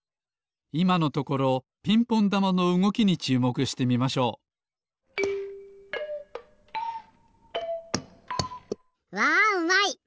いまのところピンポンだまのうごきにちゅうもくしてみましょうわうまい！